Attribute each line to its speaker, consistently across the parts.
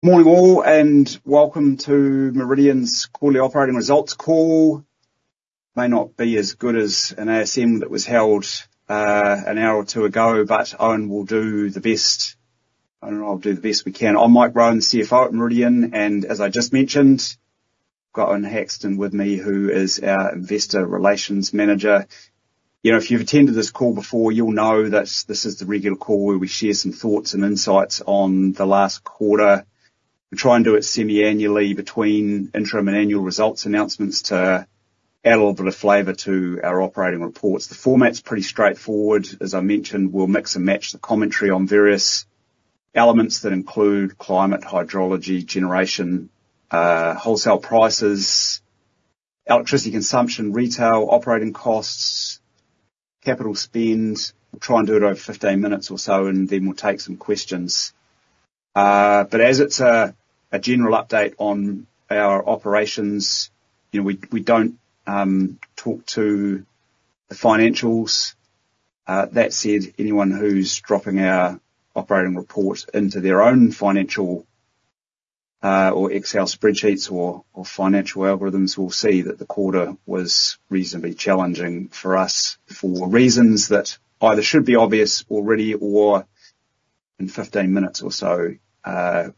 Speaker 1: Morning all, and welcome to Meridian's quarterly operating results call. May not be as good as an ASM that was held an hour or two ago, but Owen will do the best, and I'll do the best we can. I'm Mike Roan, CFO at Meridian, and as I just mentioned, I've got Owen Hackston with me, who is our Investor Relations Manager. You know, if you've attended this call before, you'll know that this is the regular call where we share some thoughts and insights on the last quarter. We try and do it semi-annually between interim and annual results announcements to add a little bit of flavor to our operating reports. The format's pretty straightforward. As I mentioned, we'll mix and match the commentary on various elements that include climate, hydrology, generation, wholesale prices, electricity consumption, retail, operating costs, capital spend. We'll try and do it over fifteen minutes or so, and then we'll take some questions, but as it's a general update on our operations, you know, we don't talk to the financials, that said, anyone who's dropping our operating report into their own financial, or Excel spreadsheets or financial algorithms will see that the quarter was reasonably challenging for us, for reasons that either should be obvious already or in fifteen minutes or so,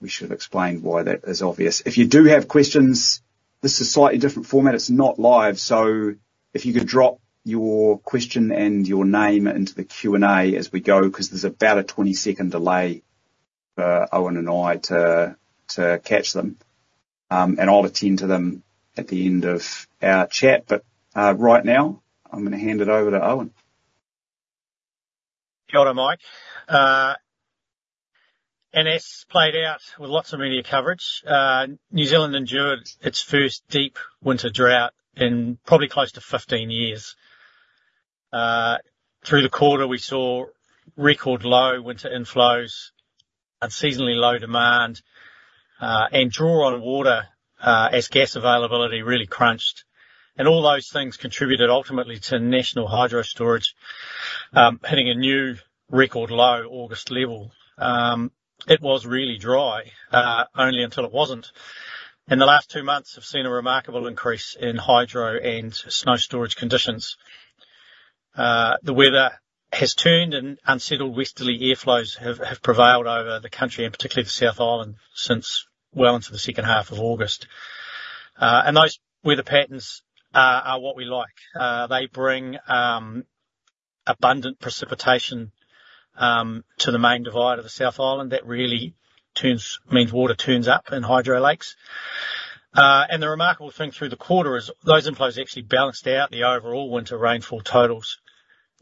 Speaker 1: we should have explained why that is obvious. If you do have questions, this is a slightly different format. It's not live, so if you could drop your question and your name into the Q&A as we go, 'cause there's about a twenty-second delay for Owen and I to catch them. And I'll attend to them at the end of our chat, but right now, I'm gonna hand it over to Owen.
Speaker 2: Kia ora, Mike. And as played out with lots of media coverage, New Zealand endured its first deep winter drought in probably close to fifteen years. Through the quarter, we saw record low winter inflows, unseasonably low demand, and draw on water, as gas availability really crunched. And all those things contributed ultimately to national hydro storage, hitting a new record low August level. It was really dry, only until it wasn't. In the last two months, we've seen a remarkable increase in hydro and snow storage conditions. The weather has turned, and unsettled westerly airflows have prevailed over the country, and particularly the South Island, since well into the second half of August. And those weather patterns are what we like. They bring abundant precipitation to the Main Divide of the South Island. That really means water turns up in hydro lakes. And the remarkable thing through the quarter is those inflows actually balanced out the overall winter rainfall totals,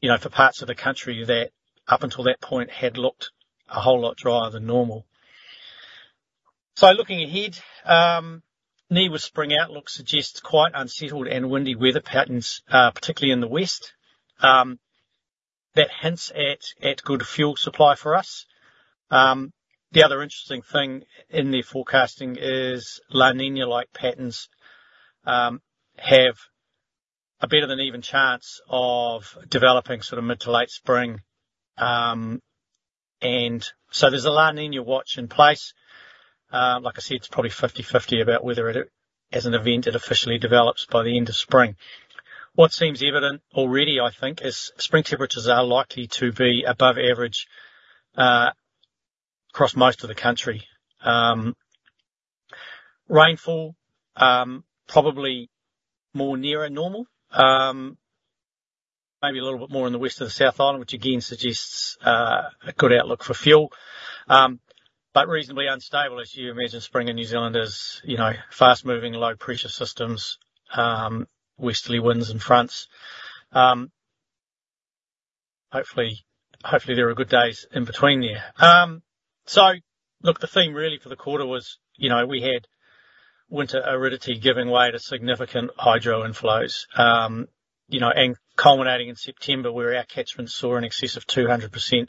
Speaker 2: you know, for parts of the country that, up until that point, had looked a whole lot drier than normal. So looking ahead, NIWA's spring outlook suggests quite unsettled and windy weather patterns, particularly in the west. That hints at good fuel supply for us. The other interesting thing in their forecasting is La Niña-like patterns have a better than even chance of developing sort of mid to late spring. And so there's a La Niña Watch in place. Like I said, it's probably fifty/fifty about whether it, as an event, it officially develops by the end of spring. What seems evident already, I think, is spring temperatures are likely to be above average across most of the country. Rainfall, probably more nearer normal. Maybe a little bit more in the west of the South Island, which again suggests a good outlook for fuel. But reasonably unstable, as you imagine, spring in New Zealand is, you know, fast-moving, low-pressure systems, westerly winds and fronts. Hopefully, there are good days in between there. So look, the theme really for the quarter was, you know, we had winter aridity giving way to significant hydro inflows. You know, and culminating in September, where our catchments saw in excess of 200%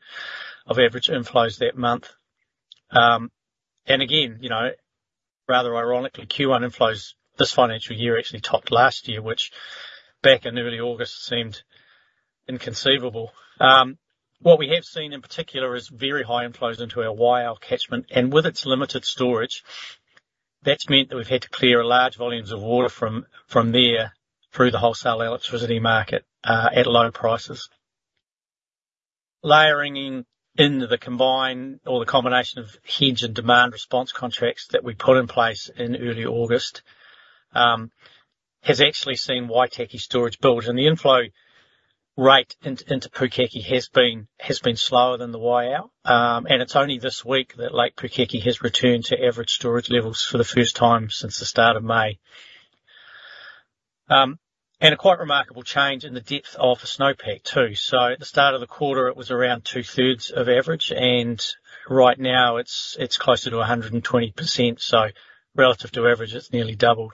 Speaker 2: of average inflows that month. And again, you know, rather ironically, Q1 inflows this financial year actually topped last year, which back in early August seemed inconceivable. What we have seen, in particular, is very high inflows into our Waiau catchment, and with its limited storage, that's meant that we've had to clear large volumes of water from there through the wholesale electricity market at low prices. Layering in the combined or the combination of hedge and demand response contracts that we put in place in early August has actually seen Waitaki storage build, and the inflow rate into Pukaki has been slower than the Waiau, and it's only this week that Lake Pukaki has returned to average storage levels for the first time since the start of May, and a quite remarkable change in the depth of the snowpack, too. So at the start of the quarter, it was around two-thirds of average, and right now it's closer to 120%, so relative to average, it's nearly doubled.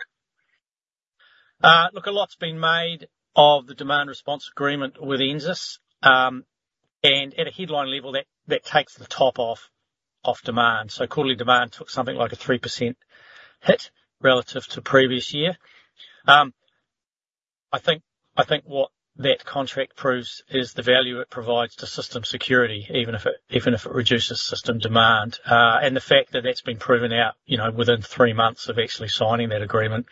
Speaker 2: Look, a lot's been made of the demand response agreement with NZAS, and at a headline level, that takes the top off demand. So quarterly demand took something like a 3% hit relative to previous year. I think what that contract proves is the value it provides to system security, even if it reduces system demand. And the fact that that's been proven out, you know, within three months of actually signing that agreement,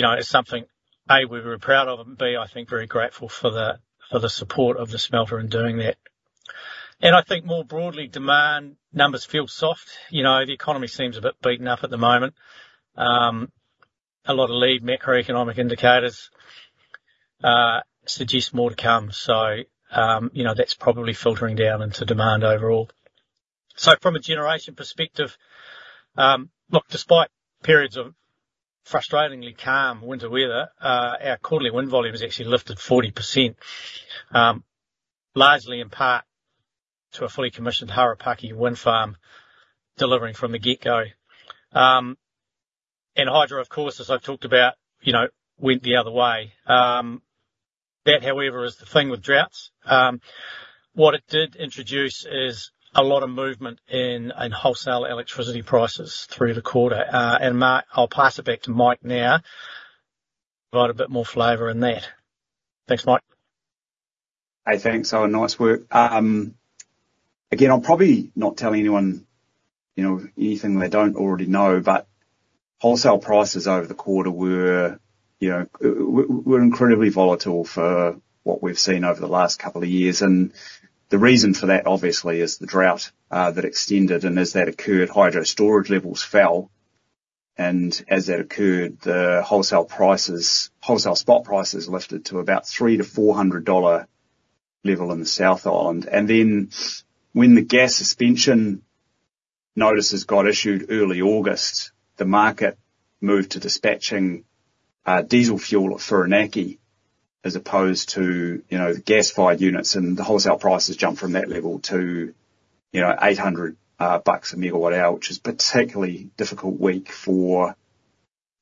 Speaker 2: you know, is something, A, we're very proud of, and B, I think very grateful for the support of the smelter in doing that. And I think more broadly, demand numbers feel soft. You know, the economy seems a bit beaten up at the moment. A lot of leading macroeconomic indicators suggest more to come. So, you know, that's probably filtering down into demand overall. So from a generation perspective, look, despite periods of frustratingly calm winter weather, our quarterly wind volume has actually lifted 40%, largely in part to a fully commissioned Harapaki Wind Farm delivering from the get-go. And hydro, of course, as I've talked about, you know, went the other way. That, however, is the thing with droughts. What it did introduce is a lot of movement in wholesale electricity prices through the quarter. And Mike, I'll pass it back to Mike now, provide a bit more flavor in that. Thanks, Mike.
Speaker 1: Hey, thanks, Owen. Nice work. Again, I'll probably not tell anyone, you know, anything they don't already know, but wholesale prices over the quarter were, you know, were incredibly volatile for what we've seen over the last couple of years. And the reason for that, obviously, is the drought that extended, and as that occurred, hydro storage levels fell. And as that occurred, the wholesale prices, wholesale spot prices lifted to about 300-400 dollar level in the South Island. And then when the gas suspension notices got issued early August, the market moved to dispatching diesel fuel at Whirinaki, as opposed to, you know, the gas-fired units, and the wholesale prices jumped from that level to, you know, 800 bucks a megawatt hour, which is particularly difficult week for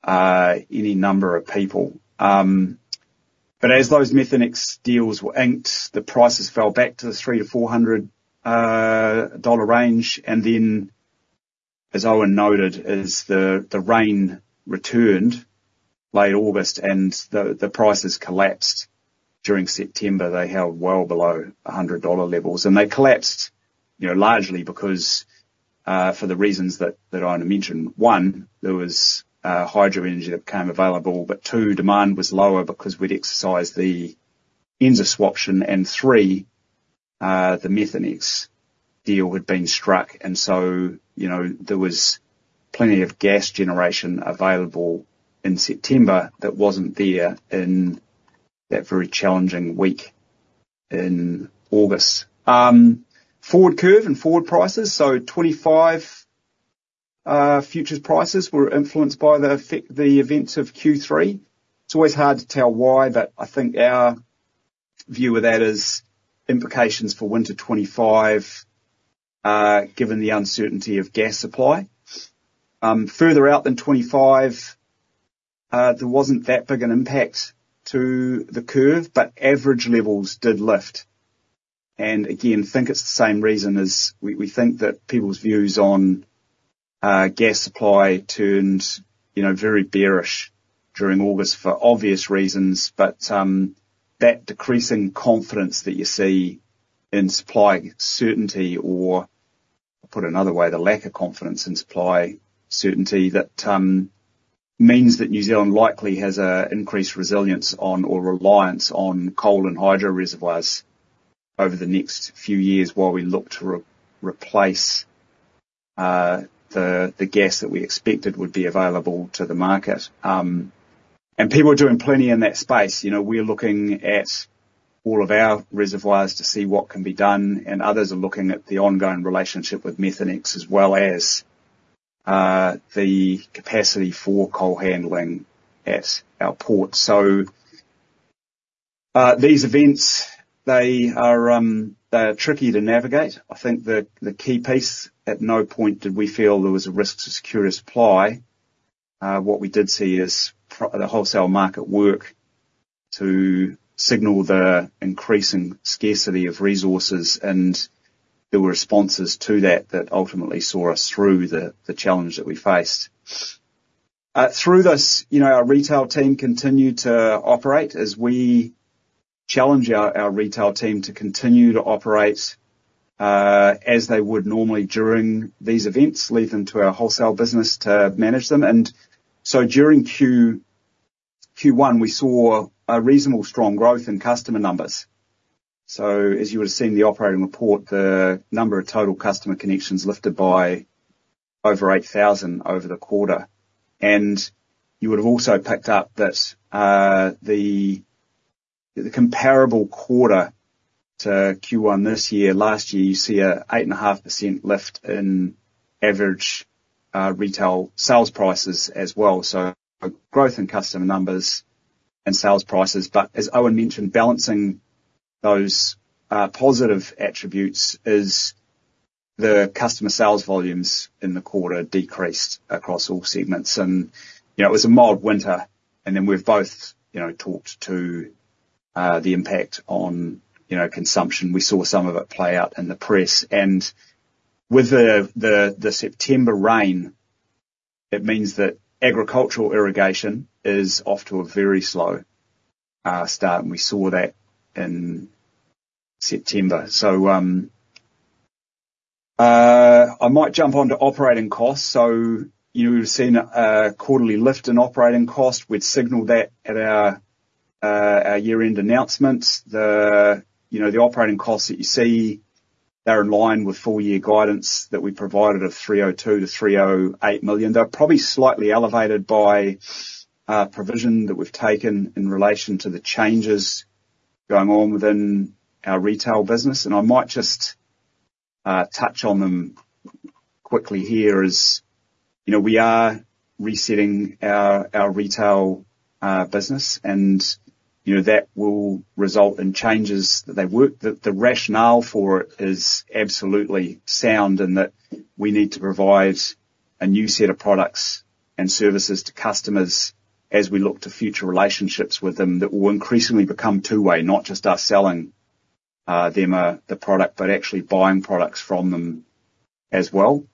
Speaker 1: any number of people. But as those Methanex deals were inked, the prices fell back to the 300-400 dollar range. And then, as Owen noted, as the rain returned late August and the prices collapsed during September, they held well below a 100 dollar levels. And they collapsed, you know, largely because, for the reasons that Owen mentioned. One, there was hydro energy that became available, but two, demand was lower because we'd exercised the NZAS swap option, and three, the Methanex deal had been struck, and so, you know, there was plenty of gas generation available in September that wasn't there in that very challenging week in August. Forward curve and forward prices, so 2025 futures prices were influenced by the events of Q3. It's always hard to tell why, but I think our view of that is implications for winter twenty-five, given the uncertainty of gas supply. Further out than twenty-five, there wasn't that big an impact to the curve, but average levels did lift. And again, think it's the same reason as we think that people's views on gas supply turned, you know, very bearish during August for obvious reasons. But that decreasing confidence that you see in supply certainty, or put another way, the lack of confidence in supply certainty, that means that New Zealand likely has a increased resilience on, or reliance on coal and hydro reservoirs over the next few years while we look to replace the gas that we expected would be available to the market. And people are doing plenty in that space. You know, we're looking at all of our reservoirs to see what can be done, and others are looking at the ongoing relationship with Methanex, as well as the capacity for coal handling at our port, so these events they are tricky to navigate. I think the key piece, at no point did we feel there was a risk to secure a supply. What we did see is the wholesale market work to signal the increasing scarcity of resources, and there were responses to that, that ultimately saw us through the challenge that we faced. Through this, you know, our retail team continued to operate as we challenge our retail team to continue to operate, as they would normally during these events, leave them to our wholesale business to manage them. And so during Q1, we saw reasonably strong growth in customer numbers. So as you would've seen in the operating report, the number of total customer connections lifted by over 8,000 over the quarter. And you would have also picked up that, the comparable quarter to Q1 this year, last year, you see an 8.5% lift in average retail sales prices as well. So growth in customer numbers and sales prices, but as Owen mentioned, balancing those positive attributes is the customer sales volumes in the quarter decreased across all segments. And, you know, it was a mild winter, and then we've both, you know, talked to the impact on, you know, consumption. We saw some of it play out in the press, and... With the September rain, it means that agricultural irrigation is off to a very slow start, and we saw that in September, so I might jump on to operating costs. You've seen a quarterly lift in operating cost. We'd signaled that at our year-end announcements. You know, the operating costs that you see, they're in line with full year guidance that we provided of 302 million-308 million. They're probably slightly elevated by provision that we've taken in relation to the changes going on within our retail business, and I might just touch on them quickly here as, you know, we are resetting our retail business, and, you know, that will result in changes. The rationale for it is absolutely sound, and that we need to provide a new set of products and services to customers as we look to future relationships with them that will increasingly become two-way, not just us selling them the product, but actually buying products from them as well.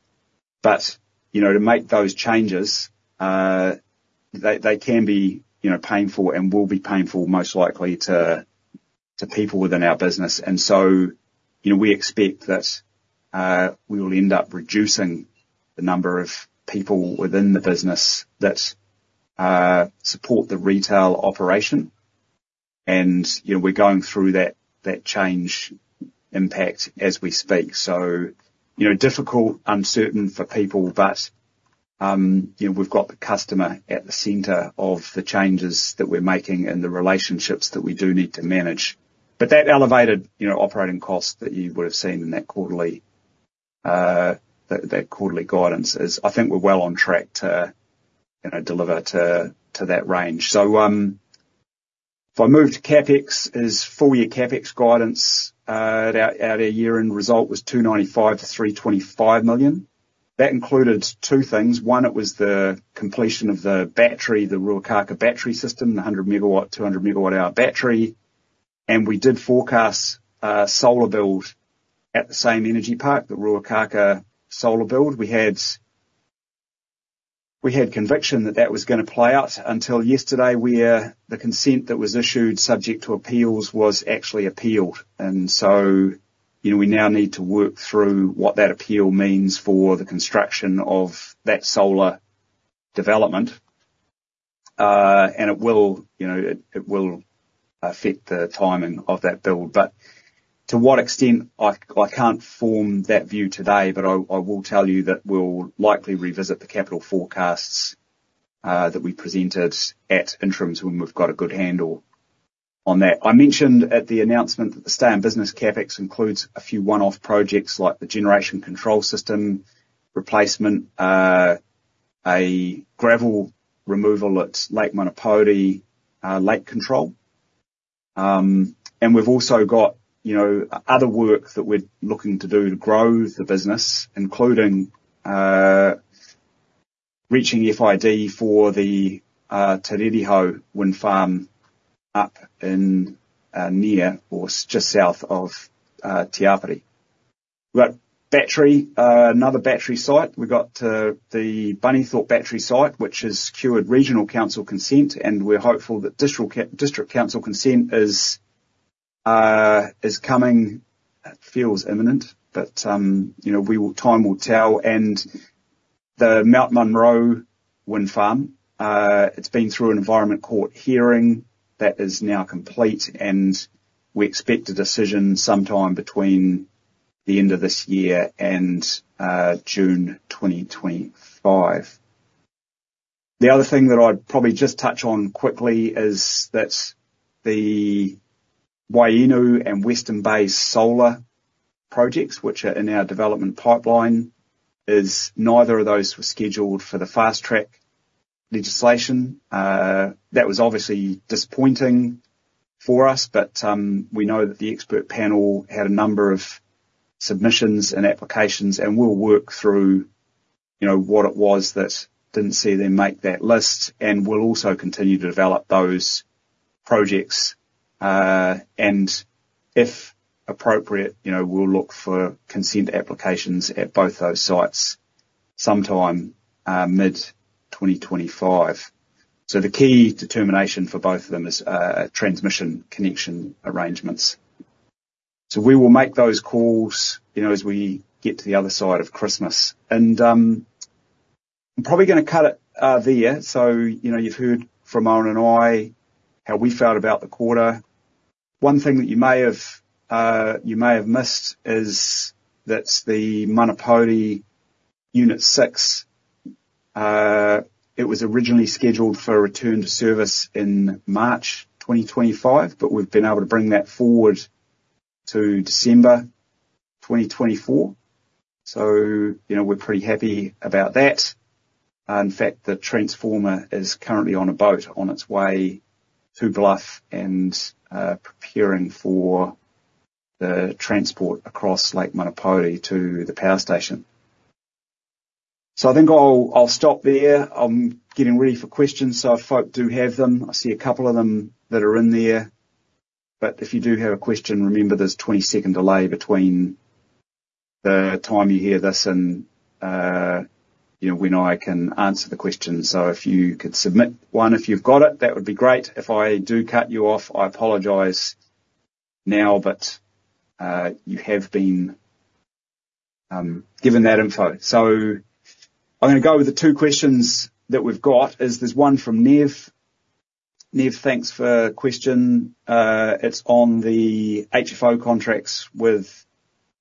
Speaker 1: But you know, to make those changes, they can be painful and will be painful, most likely to people within our business. And so you know, we expect that we will end up reducing the number of people within the business that support the retail operation. And you know, we're going through that change impact as we speak. So, you know, difficult, uncertain for people, but, you know, we've got the customer at the center of the changes that we're making and the relationships that we do need to manage. But that elevated, you know, operating cost that you would have seen in that quarterly, that quarterly guidance is. I think we're well on track to, you know, deliver to, to that range. So, if I move to CapEx, is full year CapEx guidance, at our, our year-end result was 295 million-325 million. That included two things. One, it was the completion of the battery, the Ruakaka battery system, the 100-megawatt, 200-megawatt-hour battery. And we did forecast a solar build at the same energy park, the Ruakaka solar build. We had conviction that that was gonna play out until yesterday, where the consent that was issued, subject to appeals, was actually appealed. And so, you know, we now need to work through what that appeal means for the construction of that solar development. And it will, you know, it will affect the timing of that build, but to what extent, I can't form that view today, but I will tell you that we'll likely revisit the capital forecasts that we presented at interims when we've got a good handle on that. I mentioned at the announcement that the stay in business CapEx includes a few one-off projects, like the generation control system replacement, a gravel removal at Lake Manapouri, lake control. And we've also got, you know, other work that we're looking to do to grow the business, including reaching FID for the Te Rere Hau Wind Farm up in, near or just south of Tararua. We got battery, another battery site. We got the Bunnythorpe battery site, which has secured regional council consent, and we're hopeful that district council consent is coming. It feels imminent, but you know, time will tell. And the Mount Munro Wind Farm, it's been through an Environment Court hearing that is now complete, and we expect a decision sometime between the end of this year and June twenty twenty-five. The other thing that I'd probably just touch on quickly is that the Waiau and Western Bay solar projects, which are in our development pipeline, is neither of those were scheduled for the fast-track legislation. That was obviously disappointing for us, but we know that the expert panel had a number of submissions and applications, and we'll work through, you know, what it was that didn't see them make that list, and we'll also continue to develop those projects. And if appropriate, you know, we'll look for consent applications at both those sites sometime, mid-twenty twenty-five. So the key determination for both of them is transmission connection arrangements. So we will make those calls, you know, as we get to the other side of Christmas. And I'm probably gonna cut it there. So, you know, you've heard from Owen and I how we felt about the quarter. One thing that you may have missed is that the Manapouri Unit 6 it was originally scheduled for a return to service in March 2025, but we've been able to bring that forward to December 2024. So, you know, we're pretty happy about that. In fact, the transformer is currently on a boat on its way to Bluff and preparing for the transport across Lake Manapouri to the power station. So I think I'll stop there. I'm getting ready for questions, so if folk do have them, I see a couple of them that are in there. But if you do have a question, remember, there's a 20-second delay between the time you hear this and you know when I can answer the question. If you could submit one, if you've got it, that would be great. If I do cut you off, I apologize now, but you have been given that info. So I'm gonna go with the two questions that we've got, is there's one from Nev. Nev, thanks for question. It's on the HFO contracts with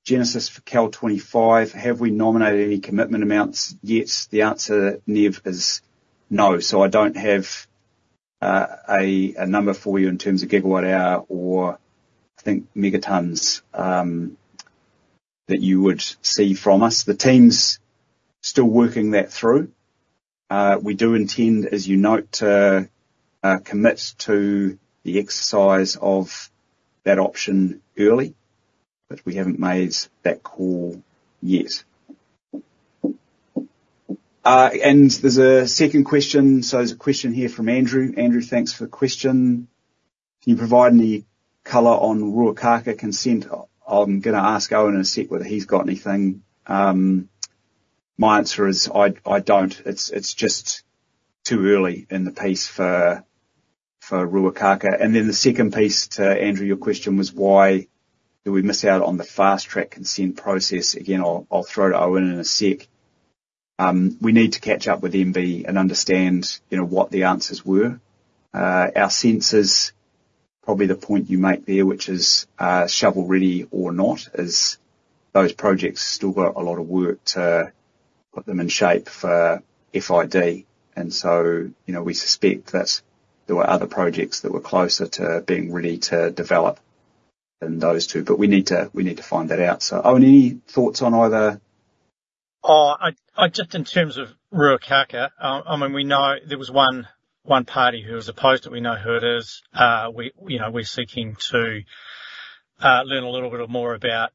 Speaker 1: Genesis for CAL25. Have we nominated any commitment amounts yet? The answer, Nev, is no. So I don't have a number for you in terms of gigawatt hour or I think megatonnes that you would see from us. The team's still working that through. We do intend, as you note, commit to the exercise of that option early, but we haven't made that call yet. And there's a second question. So there's a question here from Andrew. Andrew, thanks for the question. Can you provide any color on Ruakaka consent? I'm gonna ask Owen in a sec whether he's got anything. My answer is I don't. It's just too early in the piece for Ruakaka. And then the second piece to Andrew, your question was why did we miss out on the fast-track consent process? Again, I'll throw to Owen in a sec. We need to catch up with MfE and understand, you know, what the answers were. Our sense is probably the point you make there, which is, shovel ready or not, is those projects still got a lot of work to put them in shape for FID. And so, you know, we suspect that there were other projects that were closer to being ready to develop than those two, but we need to find that out. So, Owen, any thoughts on either?
Speaker 2: Oh, I just in terms of Ruakaka, I mean, we know there was one party who was opposed, and we know who it is. We, you know, we're seeking to learn a little bit more about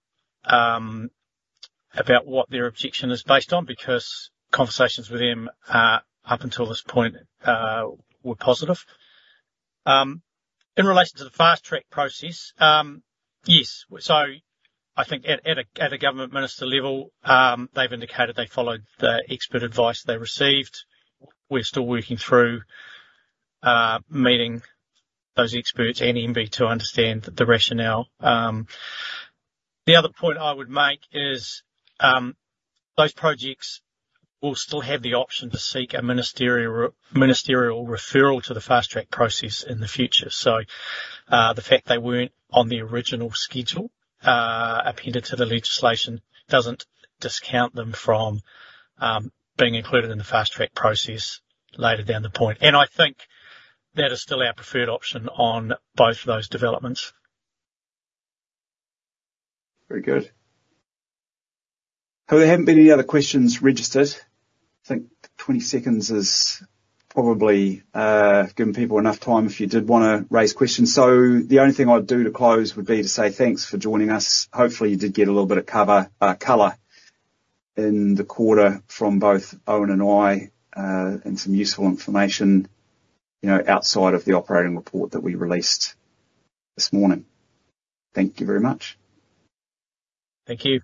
Speaker 2: what their objection is based on, because conversations with them up until this point were positive. In relation to the fast-track process, yes, so I think at a government minister level, they've indicated they followed the expert advice they received. We're still working through meeting those experts and MfE to understand the rationale. The other point I would make is, those projects will still have the option to seek a ministerial referral to the fast-track process in the future. So, the fact they weren't on the original schedule, appended to the legislation, doesn't discount them from being included in the fast-track process later down the point. And I think that is still our preferred option on both of those developments.
Speaker 1: Very good. Well, there haven't been any other questions registered. I think twenty seconds is probably given people enough time if you did wanna raise questions. So the only thing I'd do to close would be to say thanks for joining us. Hopefully, you did get a little bit of cover color in the quarter from both Owen and I, and some useful information, you know, outside of the operating report that we released this morning. Thank you very much.
Speaker 2: Thank you.